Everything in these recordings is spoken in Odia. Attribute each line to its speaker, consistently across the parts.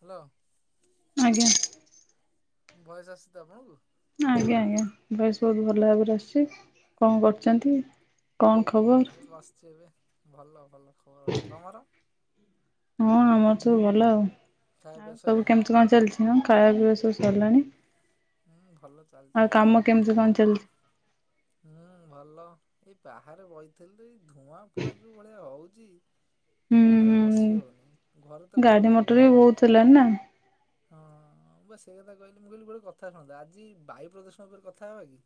Speaker 1: ହ୍ୟାଲୋ।
Speaker 2: ଆଜ୍ଞା।
Speaker 1: ଭୟସ ଆସୁଛି ତ ଆପଣଙ୍କୁ?
Speaker 2: ଆଜ୍ଞା ଆଜ୍ଞା ଭୟସ ବହୁତ ଭଲ ଭାବରେ ଆସୁଛି କଣ କରୁଛନ୍ତି? କଣ ଖବର?
Speaker 1: ଏଇ ବସିଛି ଏବେ ଭଲ ଭଲ ଖବର ଭଲ। ତମର?
Speaker 2: ହଁ ଆମର ସବୁ ଭଲ ଆଉ।
Speaker 1: ଖାଇବା
Speaker 2: ଆଉ
Speaker 1: ପିଇବା
Speaker 2: ସବୁ
Speaker 1: ସଇଲାଣି?
Speaker 2: କେମିତି କଣ ଚାଲିଛି? ହଁ ଖାଇଵା ପିଇବା ସବୁ ସରିଲାଣି।
Speaker 1: ହୁଁ ଭଲ ଚାଲିଛି ଆଉ
Speaker 2: କାମ
Speaker 1: କଣ
Speaker 2: କେମିତି
Speaker 1: କରବା
Speaker 2: ଚାଲିଛି?
Speaker 1: ହୁଁ ଭଲ। ଏଇ ବାହାରେ ବଇଥିଲି ତ ଏଇ ଧୂଆଁ ଫୁଆଁ ଯଉଁ ଭଳିଆ ହଉଚି।
Speaker 2: ହୁଁ
Speaker 1: ବାହାରେ
Speaker 2: ହୁଁ
Speaker 1: ବସି ହଉନି ଘରେ ତ
Speaker 2: ଗାଡି
Speaker 1: ଗରମ ଯୋଉ
Speaker 2: ମଟର ବି
Speaker 1: ଭଳିଆ
Speaker 2: ବହୁତ
Speaker 1: ହଉଛି।
Speaker 2: ହେଲାଣି ନା?
Speaker 1: ହଁ ବା ସେ କଥା କହିଲି ମୁଁ କହିଲି ଗୋଟେ କଥା କଥା ଶୁଣନ୍ତୁ ଆଜି ବାୟୁ ପ୍ରଦୂଷଣ ଉପରେ କଥା ହେବା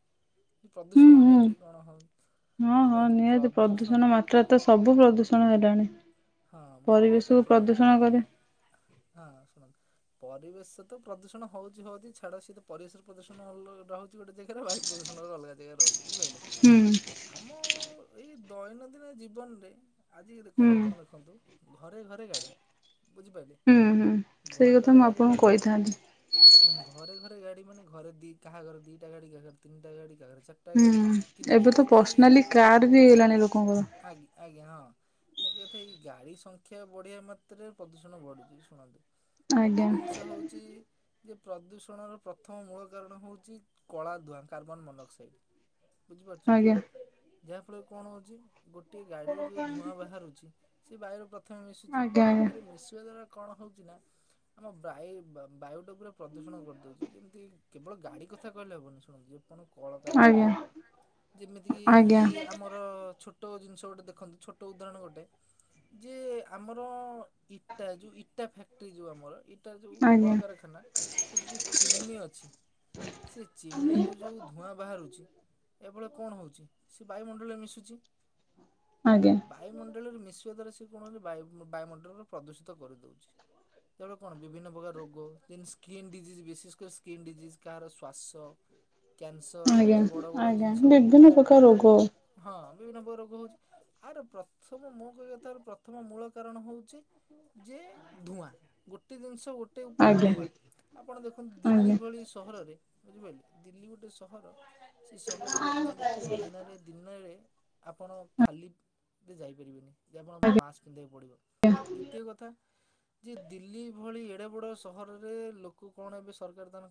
Speaker 1: କି
Speaker 2: ହୁଁ
Speaker 1: ପ୍ରଦୂଷଣ
Speaker 2: ହୁଁ
Speaker 1: କେମିତି କଣ ହଉଚି?
Speaker 2: ହଁ ନିହାତି ପ୍ରଦୂଷଣ ମାତ୍ରା ତ ସବୁ ପ୍ରଦୂଷଣ ହେଲାଣି।
Speaker 1: ହଁ ମୋ କହିବା କଥା
Speaker 2: ପରିବେଶକୁ
Speaker 1: ପ୍ରଦୂ
Speaker 2: ପ୍ରଦୂଷଣ କରେ
Speaker 1: ହଁ ଶୁଣନ୍ତ। ପରିବେଶ ତ ପ୍ରଦୂଷଣ ହଉଛି ହଉଛି ଛାଡ ସେଏ ତ ପରିବେଶର ପ୍ରଦୂଷଣ ଅ ରହୁଛି ଗୋଟେ ଜାଗାରେ ବାୟୁ ପ୍ରଦୂଷଣ ଅଲଗା ଜାଗାରେ ରହୁଛି। ବୁଝିପାରିଲେ।
Speaker 2: ହୁଁ
Speaker 1: ଆମ ଏଇ ଦୈନନ୍ଦିନ ଜୀବନରେ ଆଜିି
Speaker 2: ହୁଁ।
Speaker 1: ଦେଖନ୍ତୁ ଆପଣ ଦେଖନ୍ତୁ ଘରେ ଘରେ ଗାଡି ବୁଝିପାରିଲେ
Speaker 2: ହୁଁ ହୁଁ ସେଇ
Speaker 1: ଘରେ
Speaker 2: କଥା
Speaker 1: ଘରେ
Speaker 2: ମୁଁ
Speaker 1: ଗାଡି
Speaker 2: ଆପଣଙ୍କୁ
Speaker 1: ମାନେ
Speaker 2: କହିଥାନ୍ତି।
Speaker 1: ଘରେ ଘରେ ଗାଡି ମାନେ ଘରେ ଦି କାହା ଘରେ ଦିଟା ଗାଡି କାହା ଘରେ ତିନଟା ଗାଡି କାହା ଘରେ ଚାରିଟା
Speaker 2: ହୁଁ
Speaker 1: ଗାଡି କିନ୍ତୁ
Speaker 2: ଏବେ ତ
Speaker 1: ଏମିତି
Speaker 2: ପର୍ସନାଲି କାର ବି ହେଇଗଲାଣି ଲୋକଙ୍କର
Speaker 1: ଆଜ୍ଞା ଆଜ୍ଞା ହଁ। ମୋ କହିବା କଥା ଏଇ ଗାଡି ସଂଖ୍ୟା ବଢିବା ମାତ୍ରେ ପ୍ରଦୂଷଣ ବଢୁଛି ଶୁଣନ୍ତୁ ଗୋଟେ
Speaker 2: ଆଜ୍ଞା
Speaker 1: ଜିନିଷ ହଉଛି ଯେ ପ୍ରଦୂଷଣର ପ୍ରଥମ ମୂଳ କାରଣ ହଉଛି କଳା ଧୁଆଁ କାର୍ବନ ମନୋକ୍ସାଇଡ଼ ବୁଝିପାରୁଛନ୍ତି
Speaker 2: ଆଜ୍ଞା
Speaker 1: ଯାହାଫଳରେ କଣ ହଉଛି ଗୋଟେ ଗୋଟିଏ ଗାଡିରୁ ଯୋଉ ଧୂଆଁ ବାହାରୁଛି ସେ ବାୟୁର ପ୍ର ପ୍ରଥମେ ମିଶୁଛି
Speaker 2: ଆଜ୍ଞା
Speaker 1: ବାୟୁରେ ମିଶିବା ଦ୍ଵାରା କଣ ହଉଛି ନା ଆମ ବାୟ ବାୟୁଟା ପୁରା ପ୍ରଦୂଷଣ କରିଦଉଛି ଯେମିତି କେବଳ ଗାଡି କଥା କହିଲେ ହବନି ଶୁଣପଣ କଳକାରଖାନା
Speaker 2: ଆଜ୍ଞା
Speaker 1: ଯେମିତି କିି ଏଇ
Speaker 2: ଆଜ୍ଞା
Speaker 1: ଆମର ଛୋଟ ଜିନିଷ ସେ ଗୋଟେଖନ୍ତୁ ଛୋଟ ଉଦାହରଣ ଗୋଟେ ଯେ ଆମର ଇଟା ଯୋଉ ଇଟା ଫ୍ୟାକ୍ଟ୍ରି ଯୋଉ ଆମର ଇ
Speaker 2: ଆଜ୍ଞା
Speaker 1: ଚିମ୍ନି ଅଛି ସେ ଚିମ୍ନିରୁ ଯୋଉ ଧୂଆଁ ବାହାରୁଛି ଏଭଳି କଣ ହଉଛି ସେ ବାୟୁମଣ୍ଡଳରେ ମିଶୁଛି
Speaker 2: ଆଜ୍ଞା
Speaker 1: ବାୟୁମଣ୍ଡଳରେ ଦ୍ଵାରା ସେ କଣ ହଉଛି ବାୟୁ ବାୟୁମଣ୍ଡଳର ପ୍ରଦୂଷିତ କରିଦଉଛି ଯାହାଫଳରେ କଣ ବିଭିନ୍ନ ପ୍ରକାର ରୋଗ ଦେନ୍ ସ୍କିନ୍ ଡିଜିଜ୍ ବିଶେଷ କରି ସ୍କିନ୍ ଡିଜିଜ୍ କାହାର ଶ୍ଵାସ କ୍ୟାନସର
Speaker 2: ଆଜ୍ଞା
Speaker 1: ଏମିତି ବଡ ବଡ
Speaker 2: ଆଜ୍ଞା
Speaker 1: ଜିନିଷ
Speaker 2: ବିଭିନ୍ନ
Speaker 1: ମାନେ
Speaker 2: ପ୍ରକାର
Speaker 1: ବଡ
Speaker 2: ରୋଗ
Speaker 1: ବଡ ହଁ ବିଭିନ୍ନ ପ୍ରକାର ରୋଗ ହଉଛି ଆରେ ପ୍ରଥମ ମୁଁ ପ୍ରଥମ ମୂଳ କାରଣ ହଉଛି ଯେ ଧୂଆଁ ଗୋଟେ ଜିନିଷ ଗୋଟେ ଉପରେ
Speaker 2: ଆଜ୍ଞା
Speaker 1: ଧୂଆଁ ଆପଣ ଦେଖନ୍ତୁ ଦିଲ୍ଲୀ
Speaker 2: ଆଜ୍ଞା
Speaker 1: ଭଳି ସହରରେ ବୁଝିପାରିଲେ ଦିଲ୍ଲୀ ଗୋଟେ ସହର ସେ ସହରରେ ଆପଣ ଦେଖିବେ ଦିନରେ ଦିନରେ ଆପଣ ଖାଲି ବି ଯାଇପାରିବେନି ଯେ ଆପଣଙ୍କ ମାସ୍କ ପିନ୍ଧିବାକୁ ପଡ଼ିବ ଦ୍ୱିତୀୟ କଥା ଯେ ଦିଲ୍ଲୀ ଭଳି ଏଡେ ବଡ ସହରରେ ଲୋକ କଣ ଏବେ ସରକାର ଦାନ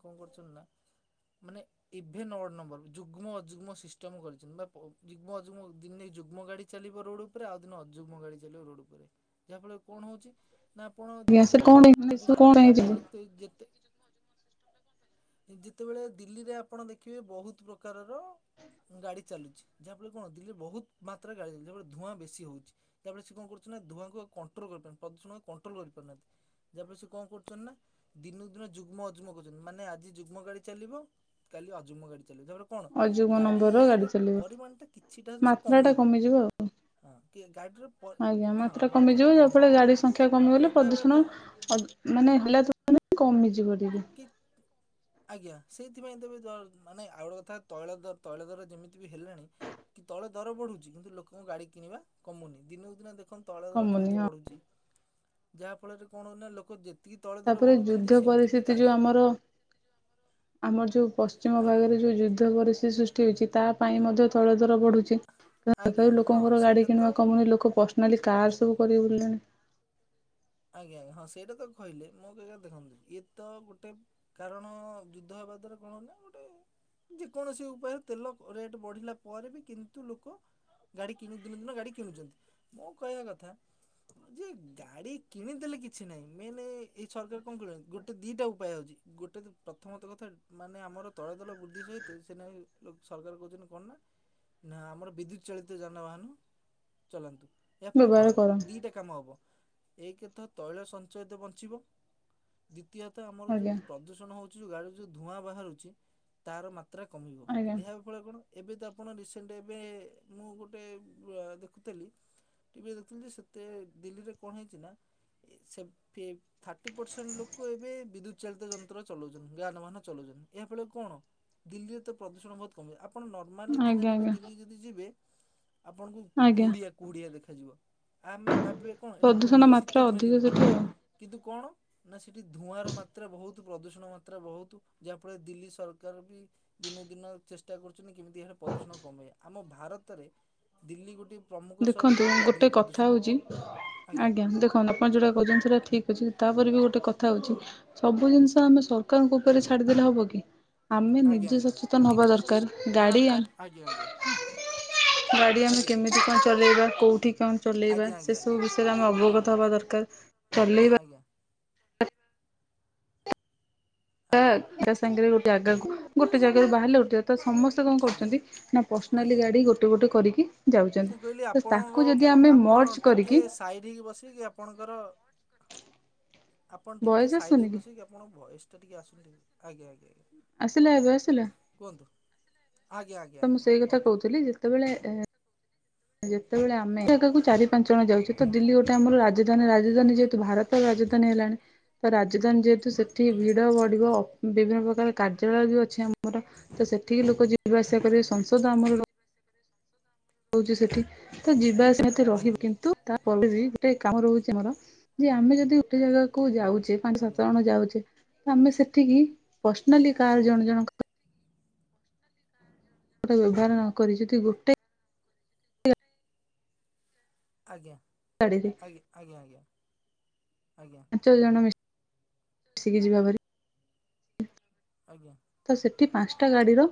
Speaker 1: ମାନେ ଇଭେ ନଡ ନମ୍ବର ଯୁଗ୍ମ ଅଯୁଗ୍ମ ସିଷ୍ଟମ କରିଛନ୍ତି ବା ଯୁଗ୍ମ ଅଯୁଗ୍ମ ଦିନ ଯୁଗ୍ମ ଗାଡି ଚାଲିବ ରୋଡ ଉପରେ ଆଉ ଦିନେ ଯୁଗ୍ମ ଗାଡି ଚାଲିବ ରୋଡ ଉପରେ ଯାହାଫଳରେ କଣ ହୋଉଚି ନା ଆପଣ
Speaker 2: ଆଜ୍ଞା ସେ
Speaker 1: ଦେଖିଥେ
Speaker 2: କଣ କଣ ହେଇଯିବ
Speaker 1: ଆପଣ ଦେଖିେ ଯେତେ ଯେତେବେଳେ ଦିଲ୍ଲୀରେ ଆପଣ ଦେଖିବେ ବହୁତ ପ୍ରକାରର ଗାଡି ଚାଲୁଛି ଯାହା ଫଳରେ କଣ ଦିଲ୍ଲୀରେ ବହୁତ ମାତ୍ରାରେ ଗାଡି ଚାଲଛି ଯାହାଫ ଧୂଆଁ ବେଶୀ ହଉଛି। ଯାରେ ସେ କଣ କରୁଛନ୍ତି ନା ଧୂଆଁଙ୍କୁ କଣ୍ଟ୍ରୋଲ କରିପାର ପ୍ରଦୂଷଣ କଣ୍ଟ୍ରୋଲ କରିପାରୁନାହାନ୍ତି ଯାହାଫଳରେ ସେ କଣ କରୁଛନ୍ତି ନା ଦିନକୁ ଦିନ ଯୁଗ୍ମ ଅଯୁଗ୍ କରୁଛନ୍ତି ମାନେ ଆଜି ଯୁଗ୍ମ ଗାଡି ଚାଲିବ କାଲି ଅଜୁଗମ ଗାଡି ପରେ କଣ
Speaker 2: ଅଯୋଗ ନମ୍ବର ଗାଡି
Speaker 1: ଗାଡିର
Speaker 2: ଚାଲିବ
Speaker 1: ପରିମାଣ ଟା କିଛିଟା ଜିନିଷ
Speaker 2: ମାତ୍ରା ଟା
Speaker 1: କମିବ
Speaker 2: କମିଯିବ ଆଉ
Speaker 1: ହଁ। ଗାଡ଼ିର ପ
Speaker 2: ଆଜ୍ଞା
Speaker 1: ହଁ
Speaker 2: ମାତ୍ରା
Speaker 1: ମାତ୍ରାଟା
Speaker 2: କମିଯିବ ଯାହାଫଳରେ ଗାଡି ସଂଖ୍ୟା
Speaker 1: ମୋ
Speaker 2: କମିଗଲେ
Speaker 1: କହିବା
Speaker 2: ପ୍ରଦୂଷଣ
Speaker 1: କଥା
Speaker 2: ମାନେ ହେଲେ ତ ମାନେ କମ ମିଯିବ
Speaker 1: କି ଆଜ୍ଞା ସେଇ ସେଥିପାଇଁ ତବେ ମାନେ ଆଉ ଗୋେ କଥା ତୈଳ ଦ ତୈଳ ଦର ଯେମିତି ବି ହେଲାଣି କି ତୈଳ ଦର ବଢୁଛି କିନ୍ତୁ ଲୋକଙ୍କ ଗାଡି କିଣିବା କମୁନି ଦିନକୁ ଦିନ [unintelligible]
Speaker 2: କମୁନି
Speaker 1: କେମିତି
Speaker 2: ହଁ
Speaker 1: ବଢୁଚି ଯାହା ଫଳରେ କଣ ନା ଲୋକ ଜିତ ଏତିକି ତୈଳ ଦର ବଢୁଛନ୍ତି ସେମିତି ବି
Speaker 2: ଏ ଯୋଉ
Speaker 1: ଗାଡ଼ି
Speaker 2: ଆମର ଆମ ପଶ୍ଚିମ
Speaker 1: ଆଜ୍ଞା
Speaker 2: ଭାଗରେ ଯୋଉ ଯୁଦ୍ଧ
Speaker 1: ପାଖରେ
Speaker 2: ପରିସ୍ଥିତି ସୃଷ୍ଟି ହେଉଛି ତା ପାଇଁ ମଧ୍ୟ ତୈଳ ଦର ବଢ଼ୁଛି। ତଥାପି
Speaker 1: ଆଜ୍ଞା ହଁ
Speaker 2: ଲୋକଙ୍କର ଗାଡି
Speaker 1: ସେଇଟା ତ
Speaker 2: କିଣିବା କମୁନି ଲୋକ ପର୍ସନାଲି କାର୍ ସବୁ କରି ବୁଲିଲେଣି।
Speaker 1: ଆଜ୍ଞା ଆଜ୍ଞା। ହଁ ସେଇଟା ତ କହିଲେ ମୁଁ ବି ଆଜ୍ଞା ଦେଖନ୍ତୁ ଇଏ ତ ଗୋଟେ କାରଣ ଯୁଦ୍ଧ ହେବା ଦ୍ୱାରା କଣ ହେଲା, ଗୋଟେ ଯେକୌଣସି ଉପାୟରେ ତେଲ ରେଟ୍ ବଢ଼ିଲା ପରେ ବି କିନ୍ତୁ ଲୋକ ଗାଡ଼ି କିଣୁ ଦିନକୁ ଦିନ ଗାଡ଼ି କିଣୁଛନ୍ତି। ମୋ କହିବା କଥା ଯେ ଗାଡ଼ି କିଣିଦେଲେ କିଛି ନାହିଁ ମେନ୍ ଏଇ ସରକାର କଣ କହୁଛନ୍ତି ଗୋଟେ ଦୁଇଟା ଉପାୟ ହେଉଛି ଗୋଟେ ତ ପ୍ରଥମତଃ କଥା ମାନେ ଆମର ତୈଳ ଦର ବୃଦ୍ଧି ସହିତ ସେନା ସରକାର କହୁଛନ୍ତି କଣ ନା ନା ଆମର ବିଦ୍ୟୁତ୍ ଚାଳିତ ଯାନବାହାନ ଚଲାନ୍ତୁ। ଏହା ଫଳରେ
Speaker 2: ବ୍ୟବହାର
Speaker 1: କଣ ହବ?
Speaker 2: କର
Speaker 1: ଦିଟା କାମ ହବ ଏକରେ ତ ତୈଳ ସଞ୍ଚୟ ତ ବଞ୍ଚିବ, ଦ୍ୱି ଦ୍ଵିତୀୟତଃ ଆମର ଯୋଉ
Speaker 2: ଆଜ୍ଞା
Speaker 1: ପ୍ରଦୂଷଣ ହଉଛି ଯୋଉ ଗାଡି ଯୋଉ ଧୂଆଁ ବାହାରୁଛି ତାର ମାତ୍ରା ମାତ୍ରା କମିବ,
Speaker 2: ଆଜ୍ଞା
Speaker 1: ଏହା ଫଳରେ କଣ? ଏବେ ତ ଆପଣ ରିସେଣ୍ଟ ଏବେ ମୁଁ ଗୋଟେ ଆହ୍ ଦେଖୁଥିଲି ଟିଭିରେ ଦେଖୁଥିଲି ଯେ, ସେତେ ଦିଲ୍ଲୀରେ କଣ ହେଇ ଚିନା ସେ ପେ ଥାର୍ଟୀ ପରସେଣ୍ଟ ଲୋକ ଏବେ ବିଦ୍ୟୁତ ଚାଳିତ ଯନ୍ତ୍ର ଚଲଉଚନ୍ତି ଯାନବାହାନ ଚଲଉଚନ୍ତି। ଏହା ଫଳରେ କଣ ଦିଲ୍ଲୀରେ ପ୍ରଦୂଷଣ ବହୁତ୍ କମିବା ଆପ ଆପଣ ନର୍ମାଲି
Speaker 2: ଆଜ୍ଞା
Speaker 1: ଦିନରେ ବି
Speaker 2: ଆଜ୍ଞା
Speaker 1: ଦିଲ୍ଲୀ ଯଦି ଯିବେ। ଆପଣଙ୍କୁ
Speaker 2: ଆଜ୍ଞା।
Speaker 1: କୁହୁଡିଆ କୁହୁଡିଆ ଦେଖାଯିବ। ଆମେ ଭାବିବା କଣ ଏଇଟା
Speaker 2: ପ୍ରଦୂଷଣ
Speaker 1: କୁହୁଡ଼ି
Speaker 2: ମାତ୍ରା
Speaker 1: ଶୀତଦିନ
Speaker 2: ଅଧିକ
Speaker 1: ଯେମିତି,
Speaker 2: ସେଠି ଆଉ।
Speaker 1: କିନ୍ତୁ କଣ? ନା ସେ ସେଠି ଧୂଆଁର ମାତ୍ରା ବହୁତ ପ୍ରଦୂଷଣ ମାତ୍ରା ବହୁତ, ଯାହାଫଳରେ ଦିଲ୍ଲୀ ସରକାର ବି ଦିନ ଦିନ ଚେଷ୍ଟା କରୁଚ ଛନ୍ତି କେମିତି ଏହାର ପ୍ରଦୂଷଣ କମେଇଆ। ଆମ ଭାରତ ଭିତରେ ଦିଲ୍ଲୀ ଗୋଟିଏ ସହର
Speaker 2: ଦେଖନ୍ତୁ
Speaker 1: ଯୋଉଠିକି ଅଧିକ
Speaker 2: ଗୋଟେ କଥା
Speaker 1: ପ୍ରଦୂଷିତ
Speaker 2: ହଉଛି
Speaker 1: ହେଉଛି।
Speaker 2: ଆଜ୍ଞା, ଦେଖନ୍ତୁ ଆପଣ ଯୋଉଟା କହୁଛନ୍ତି ସେଇଟା ଠିକ ଅଛି। ତାପରେ ବି ଗୋଟେ କଥା ହଉଛି, ସବୁ ଜିନିଷ ଆମେ ସରକାରଙ୍କ ଉପରେ ଛାଡିଦେଲେ ହବ କି? ଆମେ
Speaker 1: ଆଜ୍ଞା
Speaker 2: ନିଜେ
Speaker 1: ଆଜ୍ଞା
Speaker 2: ସଚେତନ ହବା ଦରକାର। ଗାଡି ଆମେ ଗାଡି ଆମେ
Speaker 1: ଆଜ୍ଞା
Speaker 2: କେମିତି କଣ ଚଲେଇବା କଉଁଠି କଣ ଚଲେଇବା,
Speaker 1: ଆଜ୍ଞା ଆଜ୍ଞା ଆଜ୍ଞା
Speaker 2: ସେସବୁ ବିଷୟରେ ଆମେ
Speaker 1: ଆଜ୍ଞା
Speaker 2: ଅବଗତ ହେବା ଦରକାର। ଚଲେଇବା
Speaker 1: ଆଜ୍ଞା ଆଜ୍ଞା ଆଜ୍ଞା
Speaker 2: ଦରକାର। ଏହା ସାଙ୍ଗରେ ଗୋଟେ ଜାଗାକୁ ଗୋଟେ ଜାଗାକୁ ବାହାରିଲେ [unintelligible] ସମସ୍ତେ କଣ
Speaker 1: ଆଜ୍ଞା ଆଜ୍ଞା
Speaker 2: କରୁଛନ୍ତି ନା ପର୍ସନାଲି
Speaker 1: ଆଜ୍ଞା
Speaker 2: ଗାଡି ଗୋଟେ ଗୋଟେ କରିକି
Speaker 1: ମୁଁ
Speaker 2: ଯାଉଛନ୍ତି,
Speaker 1: କହିଲି
Speaker 2: ତ
Speaker 1: ଆପଣଙ୍କ
Speaker 2: ତାକୁ ଯଦି
Speaker 1: ଭ
Speaker 2: ଆମେ
Speaker 1: ଆପଣ
Speaker 2: ମର୍ଚ
Speaker 1: ଟିକେ
Speaker 2: କରିକି।
Speaker 1: ସାଇଡ୍ ହେଇକି ବସିକି ଆପଣଙ୍କର ଆପଣ ଟିକେ
Speaker 2: ଭଏସ
Speaker 1: ସାଇଡେ
Speaker 2: ଆସୁନି
Speaker 1: ହେଇ ବସିବେ କି? ଆପଣଙ୍କ ଭଏସ ତ ଟିକେ ଆସୁନୁ ଆଜ୍ଞା ଆଜ୍ଞା ଆଜ୍ଞା [inaudible]
Speaker 2: ଆସିଲା ଏବେ ଆସିଲା
Speaker 1: କୁହନ୍ତୁ ଆଜ୍ଞା ଆଜ୍ଞା
Speaker 2: ତ ମୁଁ
Speaker 1: ଆଜ୍ଞା
Speaker 2: ସେଇ କଥା
Speaker 1: କୁହନ୍ତୁ
Speaker 2: କହୁଥିଲି ଯେତବେଳେ ଏହେ। ଯେତେବେଳେ ଆମେ ଜାଗାକୁ ଚାରି ପାଞ୍ଚ ଜଣ ଯାଉଛି ତ
Speaker 1: ଆଜ୍ଞା
Speaker 2: ଦିଲ୍ଲୀ ଗୋଟେ ଆମର ରାଜଧାନୀ ରା ରାଜଧାନୀ ଯେହେତୁ ଭାରତର ରାଜଧାନୀ ହେଲାଣି ତ ରାଜଧାନୀ ଯେହେତୁ ସେଠି
Speaker 1: ଆଜ୍ଞା।
Speaker 2: ଭିଡ ବଢିବ ଅ ବିଭିନ୍ନ ପ୍ରକାର କାର୍ଯ୍ୟାଳୟ ବି ଅଛି ଆମର ତ ସେଠିକି ଲୋକ ଯି ଯିବା ଆସିବା କର
Speaker 1: ଆଜ୍ଞା ଆଜ୍ଞା।
Speaker 2: ସଂସଦ ଆମର ହଉଛି ସେଠି ଯିବାେ
Speaker 1: ଆଜ୍ଞା
Speaker 2: ରହିବ
Speaker 1: ଆଜ୍ଞା।
Speaker 2: କିନ୍ତୁ ତା ପରେ ବି ଗୋଟେ କାମ ରହୁଛି ଆମର ଯେ ଆମେ ଯଦି ଗୋଟେ ଜାଗାକୁ ଯାଉଛ। ପାଞ୍ଚ
Speaker 1: ଆଜ୍ଞା।
Speaker 2: ସାତ ଜଣ ଯାଉଛେ। ଆମେ ସେଠିକି ପର୍ସନାଲି କାହାର
Speaker 1: ଆଜ୍ଞା।
Speaker 2: ଜଣେ ଜଣଙ୍କ ଗୋଟେ ବ୍ୟବହାର ନ କରି ଯଦି ଗୋଟେ
Speaker 1: ଆଜ୍ଞା।
Speaker 2: ଗାଡିରେ
Speaker 1: ଆଜ୍ଞା ଆଜ୍ଞା ଆଜ୍ଞା। ଆଜ୍ଞା
Speaker 2: ପାଞ୍ଚ ଜଣ ମିଶ ମିଶିକି ଯିବା ଭାରି।
Speaker 1: ଆଜ୍ଞା
Speaker 2: [inaudible] ତ ସେ ଏ ପାଞ୍ଚଟା ଗାଡିର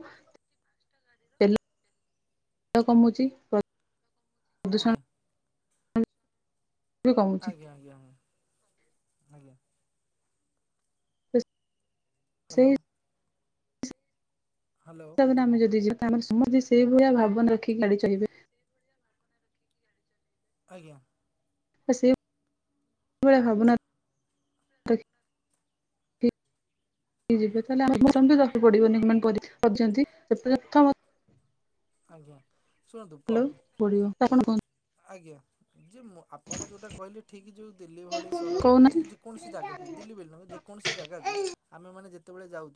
Speaker 2: ଦେ କମୁଛି ପ୍ରଦୂଷଣ
Speaker 1: ଆଜ୍ଞା।
Speaker 2: ବି କମୁଛି
Speaker 1: ଆଜ୍ଞା ଆଜ୍ଞା। ଆଜ୍ଞା।
Speaker 2: ତ ସେଇ
Speaker 1: ହ୍ୟାଲୋ। ହ୍ୟାଲୋ
Speaker 2: [unintelligible] ଆମେ। ସମସ୍ତେ ସେଇ ଭଳିଆ ଭାବନା ରଖିକି ଗାଡି ଚଳିବ
Speaker 1: ଆଜ୍ଞା।
Speaker 2: [unintelligible] ହେ ଯିବେ ତାହେଲେ ଆମେଁ ସେମିତି ଦବାକୁ ପଡିବନି କି କରିଛନ୍ତି ଯ। [inaudible]
Speaker 1: ଆଜ୍ଞା। ଶୁଣନ୍ତୁ ପ୍ର
Speaker 2: ହ୍ୟାଲୋ। [unintelligible]
Speaker 1: ଆଜ୍ଞା ଯେଁ ଆପଣ ଯୋଉଟା କହିଲେ ଠିକ ଯୋଉ ଦିଲ୍ଲୀ ଭଳି ସହରକୁ କି
Speaker 2: କହୁନାହାନ୍ତି
Speaker 1: ଯେକୌଣସି ଜାଗାକୁ ଦିଲ୍ଲୀ ବ ଯେକୌଣସି ଜାଗାକୁ ଆମେ ମାନେ ଯେ କେତେଳେ ଯାଉ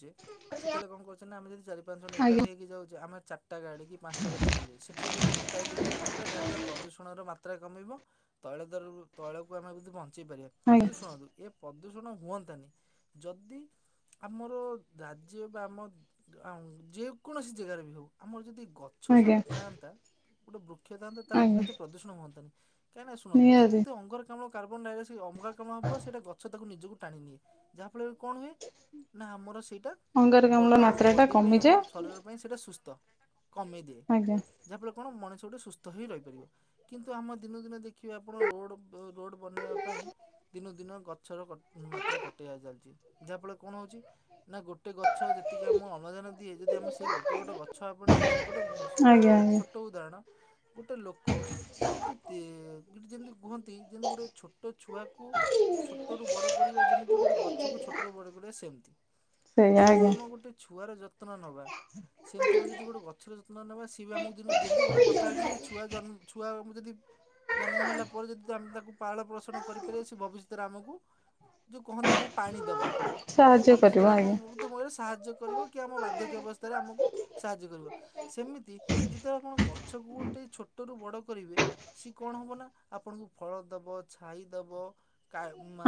Speaker 1: ସେତେବେଳେ କଣ କରୁଛନ୍ତି ନା ଆମେ ଯଦି ଚାରି ପାଞ୍ଚ ଜଣ ଏକାଠି
Speaker 2: ଆଜ୍ଞା
Speaker 1: ହେଇକି ଯାଉଛ ଆମେ ଚାଟାଗା ପାଞ୍ଚଟା ଗାଡି ନେଇଯାଏ ସେଠି ଯଦିମେ ଗୋଟାଏ ଜାଗାରେ ଯିବା ଯାହାବଳେ ପ୍ରଦୂଣର ମାତ୍ର କମ ତୈଳ ଦର ତୈଳକୁ ଆମେ ବଞ୍ଚିପାରିବା
Speaker 2: ଆଜ୍ଞା
Speaker 1: କିନ୍ତୁ ଶୁଣନ୍ତୁ ଏ ପ୍ରଦୂଷଣ ହୁଅନ୍ତାନି ଯଦି ଆମର ରାଜ୍ୟ ବା ଆମ ଯେକୌଣସି ଜାଗାରେ ବି ହେଉ ଆମର ଯଦି ଛ
Speaker 2: ଆଜ୍ଞା
Speaker 1: ଶବଥାନ୍ତା ଉଡ଼ୁ ତାହାହେଲେ ଆମକୁ
Speaker 2: ଆଜ୍ଞା
Speaker 1: ଏତେ ପ୍ରଦୂଷଣ ହୁଅନ୍ତାନି। କାହିଁକ ନାନା
Speaker 2: ନିହାତି
Speaker 1: ଶୁଣନ୍ତୁ ଅଙ୍ଗର କାର୍ବୋନ ଡାଇଅକ୍ସାଇଡ ଅଙ୍ଗାରକାମ୍ଳ କଣ ହବ ସେଇଟା ଗଛ ତାକୁ ନିଜକୁ ଟାଣି ନିଏ ଯାହା ଯାହାଫଳରେ କଣ ହୁଏ ନା ଆମର ସେଇଟା
Speaker 2: ଅଙ୍ଗାରକାମ୍ଳ
Speaker 1: ଆମ
Speaker 2: ମାତ୍ରା ଟା
Speaker 1: ବଡ଼ି ପାଇଁ
Speaker 2: କମିଯାଏ
Speaker 1: ଆମ ଶରୀର ପାଇଁ ସେଇଟା ସୁସ୍ଥ। କମେଇ ଦିଏ
Speaker 2: ଆଜ୍ଞା
Speaker 1: ଯାହାଫଳରେ କଣ ମଣିଷ ସେଟେ ସୁସ୍ଥ ହୋଇ ରହିପାରିବ। କିନ୍ତୁ ଆମ ଦିନ ଦିନେ ଦେଖିବେ ଆପଣ ରୋଡ଼ ରୋଡ଼ ବନେଇବା ପାଇଁ ଦିନକୁ ଦିନ ଗ ଗଛର ମାତ୍ରା କଟି ଯାଉଛି ଯାହା ଫଳରେ କଣ ହଉଛି ନା ଗୋଟେ ଗଛ ଯେତିକି ଆମ ଅମ୍ଳଜାନ ଦିଏ ଯଦି ଆମେ ସେଇ ଗୋଟେ ଗୋଟ ଗଛ ଆପଣ ଦିନ କୁ। ଗୋଟେ
Speaker 2: ଆଜ୍ଞା
Speaker 1: ଗଟ
Speaker 2: ଆଜ୍ଞା
Speaker 1: ଛୋଟ ଉଦାହରଣ। ଗୋଟେ ଲୋକ ଯଦି ଯେମିତି କୁହନ୍ତି ଯେମିତି ଗୋଟେ ଛୋଟ ଛୁଆକୁ ଛୋଟରୁୁ ବଡ କରିବା ଯେମିତି ଗୋଟେ ଗଛ କ ଛୋଟରୁୁ ବଡ କରିବା ସେମିତି।
Speaker 2: ସେଇଆ
Speaker 1: ଯେମିତି
Speaker 2: ଆଜ୍ଞା
Speaker 1: ଆମ ଗୋଟେ ଛୁଆର ଯନ୍ନ। ନବା ସେମିତି ଆମେ ଯଦି ଗୋଟେ। ମଛର ଯତ୍ନ ନେବା ସିଏ ବି ଆମକୁିନ ଯେମିତି ଗୋଟେ କଥା ଅଛି ଯେ ଛୁଆ ଜନ୍ମ ଛୁଆ ଆକୁ ଯଦି। ଜନ୍ମ ହେଲା ପରେ ଯଦି ଆମେ ତାକୁ ପାଳ ପୋଷଣ କରିପାରିବା ସେ ଭବିଷ୍ୟତରେ ଆମକୁ ଯୋଉ କୁହନ୍ତି। ଆମକୁ ପାଣି ଦବ
Speaker 2: ସାହାଯ୍ୟ କରିବ
Speaker 1: ଭବିଷ୍ୟତରେ ଆମ
Speaker 2: ଆଜ୍ଞା
Speaker 1: ମୃତ୍ୟୁମୟରେ ସାହାଯ୍ୟ କରିବ କି ଆମ ବାର୍ଦ୍ଧକ୍ୟ ଅବସ୍ଥାରେ ଆମକୁ ସାହାଯ୍ୟ କରିବ। ସେମିତି ଯେତେବେଳେ ଆପଣ ଗଛକୁ ଗୋଟେ ଛୋଟ ରୁ ବଡ। କରିବେ ସି କଣ ହବ ନା ଆପଣଙ୍କୁ ଫଳ ଦବ ଛାଇ ଦବ।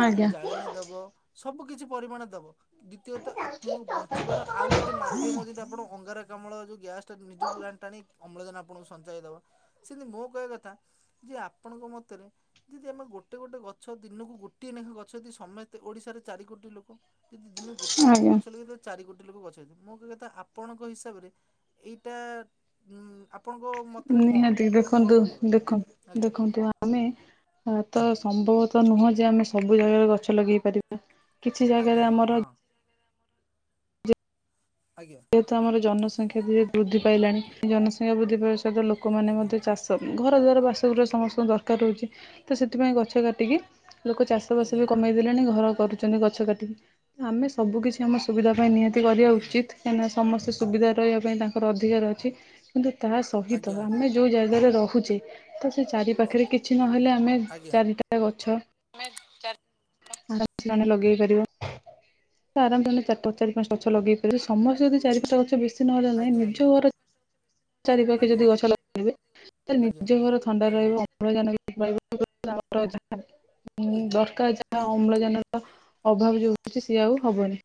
Speaker 2: ଆଜ୍ଞା
Speaker 1: ଜାଳେଣିୀ ଦେବ ସବୁ କିଛି। ପରିମାଣ ଦବ। ଦ୍ଵିତୀୟତଃ ଆପଣ ବଞ୍ଚିବାର ଆଉ ଗୋଟେ ମାଧ୍ୟମ ଯଦି ଆପଣ ଅଙ୍ଗାରକାମ୍ଳ ଯୋଉ। ଗ୍ୟାସ୍ ତ ନିଜକୁ ଆଣିଟାଣି। ଅମ୍ଳଜାନ ଆପଣଙ୍କୁ ସଞ୍ଚୟ ଦବ, ସେମିତି ମୋ କହିବା କଥା ଯେ ଆପଣଙ୍କ ମତରେ ଯଦି ଆମେ ଗୋଟେ ଗୋଟେ ଗଛ ଦିନକୁ ଗୋଟିଏ ନେଖା ଗଛ ଯଦି ସମସ୍ତେ ଓଡିଶାରେ ଚାରି କୋଟି ଲୋକ। ଯଦି ଦିନ ଗୋଟି ଗୋଟି
Speaker 2: ଆଜ୍ଞା
Speaker 1: ଗଛ ଲଗେଇଥାଅ ଚାରି ଗୋଟି। ଲୋକ ଗଛେଇ ମୁଁ କହିବା କଥା ଆପଣଙ୍କ ହିସାବରେ। ଏଇଟା ଉ।
Speaker 2: ନିହାତି ଦେଖନ୍ତୁ
Speaker 1: ଦରକାର?
Speaker 2: ଦେଖ
Speaker 1: ଆଜ୍ଞା
Speaker 2: ଦେଖନ୍ତୁ ଆମେ ତ। ସମ୍ଭବ ତ ନୁହଁ ଯେ ଆମେ ସବୁ ଜାଗାରେ ଗଛ ଲଗେଇ ପାରିବା। କିଛି
Speaker 1: ଆଜ୍ଞା
Speaker 2: ଜାଗାରେ ଆମର।
Speaker 1: ଆଜ୍ଞା ହଁ
Speaker 2: ଯେହେତୁ ଆମର ଜନସଂଖ୍ୟା [inaudible] ବୃଦ୍ଧି ପାଇଲାଣି, ଜନସଂଖ୍ୟା ବୃଦ୍ଧି ପାଇ। [inaudible] ଲୋକମାନେ
Speaker 1: ଆଜ୍ଞା
Speaker 2: ମଧ୍ୟ ଚାଷ ଘର ଦ୍ୱାର ବାସଗୃହ ସମସ୍ତଙ୍କ ଦରକାର ରହୁଛି, ତ ସେଥିପାଇଁ ଗଛ କାଟିକି ଲୋକ ଚାଷ ବାସ
Speaker 1: ଆଜ୍ଞା
Speaker 2: ବି କମେଇ ଦେଲେଣି ଘର। କରୁଛନ୍ତି ଗଛ କାଟିକି ଆମେ ସବୁ କିିଛି ଆମ ସୁବିଧା ପାଇଁ ନିହାତି। କରିବା
Speaker 1: ଆଜ୍ଞା
Speaker 2: ଉଚିତ୍। ନା ସମସ୍ତେ ସୁବିଧା ରହିବା ପାଇଁ ତାଙ୍କର ଅଧିକାର ଅଛି କିନ୍ତୁ ତା ସହିତ
Speaker 1: ଆଜ୍ଞା
Speaker 2: ଆମେ ଯଉ ଜାଗାରେ ରହୁ [inaudible] ତ ସେ ଚାରି ପାଖରେ କିଛି ନହେଲେ। ଆମେ
Speaker 1: ଆଜ୍ଞା
Speaker 2: ଚାରିଟା ଗଛ। [unintelligible] ଲଗେଇ ପାରିବ [inaudible] [inaudible] ଲଗେଇ ପାରିବ ସମସ୍ତେ ଯଦି [inaudible] ନ ହେଲେ ନାହିଁ
Speaker 1: ଆଜ୍ଞା
Speaker 2: ନିଜ ଘର। ଚାରି ପାାଖେ
Speaker 1: ଆଜ୍ଞା ଆଜ୍ଞା
Speaker 2: ଯଦି ଗଛ ଲଗେଇିବେ, ତାହେଲେ
Speaker 1: ଆଜ୍ଞା ଆଜ୍ଞା।
Speaker 2: ନିଜ ଘର ଥଣ୍ଡା
Speaker 1: ଆଜ୍ଞା
Speaker 2: ରହିବେ ଅମ୍ଳଜାନ। [inaudible] ହଁ
Speaker 1: ଆଜ୍ଞା
Speaker 2: ଦରକାର ଯା ଆଉ। ଅମ୍ଳଜାନର ଅଭାବ ଯୋଉ ହଉଛି ସିଏ ଆଉ ହବନି।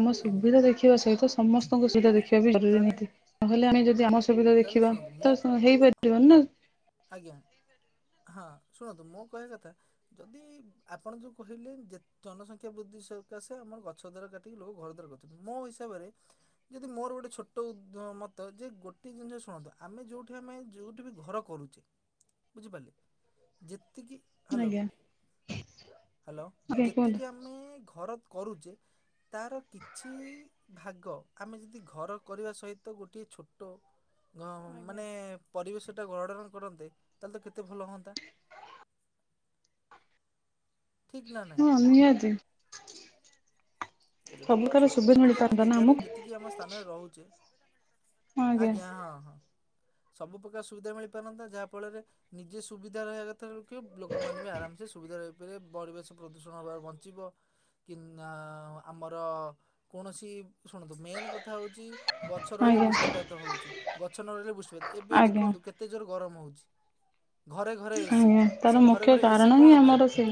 Speaker 2: ଆମ
Speaker 1: ଆଜ୍ଞା ଆଜ୍ଞା।
Speaker 2: ସୁବିଧା ଦେଖିବା ସହିତ।
Speaker 1: ତାହେଲେ
Speaker 2: ସମସ୍ତଙ୍କୁ [inaudible] [inaudible] ହେଲେ ଆମେ ଯଦି ଆମ ସୁବିଧା
Speaker 1: ତାହେଲେ
Speaker 2: ଦେଖିବା
Speaker 1: ଶୁଣନ୍ତୁ ମୋ
Speaker 2: ତ ହେଇପାରିବନି ନା।
Speaker 1: ଆଜ୍ଞା। ହଁ ଶୁଣନ୍ତୁ ମୋ କହିବା କଥା ଯଦି ଆପଣ ଯୋଉ କହିଲେ ଯେ ଜନସଂଖ୍ୟା ବୃଦ୍ଧି ସକାଶେ ଆମର ଗଛ ଦାର କାଟିକି ଲୋକ ଘର ଦ୍ୱାର କରୁଛନ୍ତି, ମୋ ହିସାବରେ ଯଦି ମୋର ଗୋଟେ ଛୋଟ ମତ ଯେ ଗୋଟେ ଜିନିଷ ଶୁଣନ୍ତୁ ଆମେ ଯୋଉଠି ଆମେ ଯୋଉଠି ବି ଘର କରୁଛୁ। ବୁଝିପାରିଲେ। ତିକି ହାଲୋ
Speaker 2: ଆଜ୍ଞା
Speaker 1: ହ୍ୟାଲୋ
Speaker 2: ଆଜ୍ଞା କୁହନ୍ତୁ।
Speaker 1: ଯେତିକି ଆମେ ଘର। କରୁଛେ ତାର କିଛି ଭାଗ ଆମେ ଯଦି ଘର କରିବା ସହିତ ଗୋଟିଏ ଛୋଟ
Speaker 2: ଆଜ୍ଞା।
Speaker 1: ମାନେ ପରିବେଶ ଗୋଟେ ଗଡ଼ ର କରନ୍ତେ, ତାହେଲେ ତ କେତେ ଭଲ ହୁଅନ୍ତା? ଠିକ୍ ନା ନାହିଁ?
Speaker 2: ହଁ। ନିହାତି।
Speaker 1: ଯଦି
Speaker 2: ସବୁ
Speaker 1: ଆମେ
Speaker 2: ପ୍ରକାର
Speaker 1: ଛୋଟ
Speaker 2: ସୁବିଧା
Speaker 1: ଯେତିକି ଆମେ
Speaker 2: ମିଳିପାରନ୍ତା ନା
Speaker 1: ଜାଗାରେ
Speaker 2: ଆମକୁ
Speaker 1: ଯେତିକି ଆମ ସ୍ଥାନରେ ରହୁଛେ। ଆଜ୍ଞା। ହଁ ହଁ। ସବୁ ପ୍ରକାର ସୁବିଧା ମିଳିପାରନ୍ତା। ଯାହାଫଳରେ ନିଜେ ସୁବିଧା ରହିବା କଥା ସେକ [unintelligible] ଲୋକମାନେ ବି ଆରାମସେ ସୁବିଧା ରହ ରେ ପରିବେଶ ପ୍ରଦୂଷଣ ହବାରୁ ବଞ୍ଚିବ। କି ଆମର କୌଣସି ଶୁଣନ୍ତୁ ମେନ୍ କଥା ହଉଛି ଗଛ ରହିଲେ
Speaker 2: ଆଜ୍ଞା
Speaker 1: ବୃଷ୍ଟିପାତ ହଉଛି ଗଛ ନ ରହିଲେ ବୃଷ୍ଟିପାତ। ଏବେ
Speaker 2: ଆଜ୍ଞା
Speaker 1: ଦେଖନ୍ତୁ କେତେ ଜୋର ଗରମ ହେଉଛି।
Speaker 2: ଆଜ୍ଞା। ତାର ମୁଖ୍ୟ କାରଣ
Speaker 1: କଣ
Speaker 2: ହିଁ
Speaker 1: ପାଇଁ
Speaker 2: ଆମର ସେ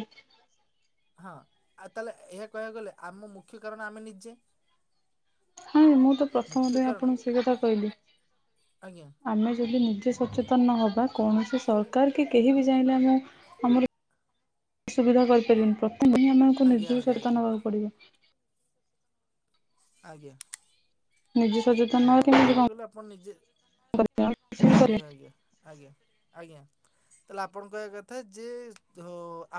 Speaker 1: ହଁ। ଆଉ ତାହେଲେ, ଏହା କହିବାକୁ ଗଲେ ଆମ ମୁଖ୍ୟ ୁ [unintelligible] କାରଣ ଆମେ ନିଜେ।
Speaker 2: ହଁ। ମୁଁ ତ ପ୍ରଥମ
Speaker 1: ମୁଖ୍ୟ
Speaker 2: ଦିନ
Speaker 1: କାରଣ
Speaker 2: ଆପଣଙ୍କୁ ସେ କଥା କହିଲି
Speaker 1: ଆଜ୍ଞା
Speaker 2: ଆମେ ଯଦି ନୁ କି ସଚେତନ ନ ହେବା। କୌଣସି ସରକାର କି କେହି ବି ଚାହିଁଲେ ଆମକୁ ଆମର ସୁବିଧା କରିପାରିବେନି। ସେ ଆମଙ୍କୁ [unintelligible]
Speaker 1: ଆଜ୍ଞା
Speaker 2: ନିଜକୁ
Speaker 1: ଆଜ୍ଞା
Speaker 2: ସଚେତନ
Speaker 1: ଆଜ୍ଞା।
Speaker 2: ନେବାକୁ ପଡିବ।
Speaker 1: ଆଜ୍ଞା।
Speaker 2: ନିଜେ ସଚେତନ ନ
Speaker 1: ହଁ
Speaker 2: ହେଲେ
Speaker 1: ଏଇଟା
Speaker 2: କେମିତି
Speaker 1: ତ
Speaker 2: କଣ
Speaker 1: କହିଲେ ଆପଣ ନିଜେ
Speaker 2: କରିବା ଆମେ କିଛି ବି
Speaker 1: ଆଜ୍ଞା ଆଜ୍ଞା ଆଜ୍ଞା। ଆଜ୍ଞା। ତାହେଲେ ଆପଣ କହିବା କଥା ଯେ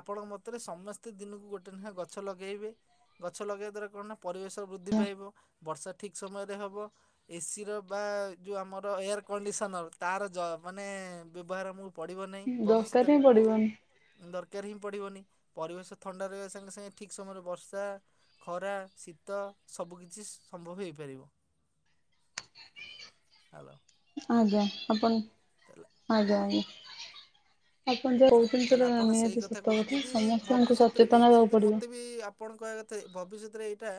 Speaker 1: ଆପଣଙ୍କ ମତରେ ସମସ୍ତେ ଦିନକୁ ଗୋଟେ ଲେଖାଏଁ ଗଛ ଲଗାଇବେ। ଗଛ ଲଗେଇବା ଦ୍ୱାରା କଣ ନା ପରିବେଶ ବୃଦ୍ଧି ପାଇବ। ବର୍ଷା ଠିକ୍ ସମୟରେ ହେବ। ଏସି ର ବା ଯୋଉ ଆମର ଏୟାର କଣ୍ଡିସନର ତାର ଯ ମାନେ ବ୍ୟବହାର ମୁ ପଡ଼ିବ ନାହିଁ
Speaker 2: କରିବା ଦରକାର
Speaker 1: ଭବିଷ୍ୟତରେ
Speaker 2: ହିଁ ପଡିବନି।
Speaker 1: ଦର ବକାରରେ [unintelligible] ହିଁ ପଡ଼ିବନି ପରିବେଶ ଥଣ୍ଡା ରହିବା ସାଙ୍ଗେ ସାଙ୍ଗେ ଠିକ୍ ସମୟରେ ବର୍ଷା, ଖରା, ଶୀତ ସବୁକିଛି ସମ୍ଭବ ହେଇପାରିବ। ହାଲୋ।
Speaker 2: ଆଜ୍ଞା ଆପଣ ଆଜ୍ଞା ଆଜ୍ଞା। ଆପଣ ଯାହା କହୁଛନ୍ତି
Speaker 1: ତାହେଲେ
Speaker 2: ସେଟା
Speaker 1: ଆପଣ ସେଇ
Speaker 2: ନିହାତି
Speaker 1: କଥା
Speaker 2: ସତ
Speaker 1: କହୁଛନ୍ତି। ଯଦି
Speaker 2: ସମସ୍ତଙ୍କୁ
Speaker 1: ଭବିଷ୍ୟତରେ ବି
Speaker 2: ସଚେତନ
Speaker 1: ଏଇଟା
Speaker 2: ହେବାକୁ
Speaker 1: ଯଦି
Speaker 2: ପଡିବ।
Speaker 1: ମତେ ବି ଆପଣ କହିବା କଥା ଭବିଷ୍ୟତରେ ଏଇଟା।